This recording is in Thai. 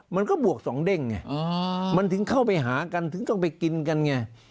บวกสองเด้งไงมันถึงเข้าไปหากันถึงต้องไปกินกันไง